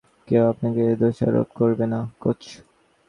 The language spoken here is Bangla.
কেউ আপনাকে দোষারোপ করবে না, কোচ।